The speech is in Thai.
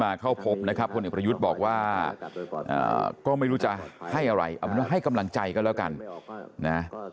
มาเข้าพบนะครับผลิตประยุทธ์บอกว่าก็ไม่รู้จักให้อะไรเอาแม้ว่าให้กำลังใจกันแล้วกัน